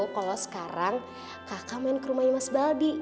kalau sekarang kakak main ke rumahnya mas baldi